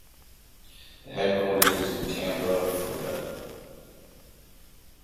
The headquarters is in Tampa, Florida.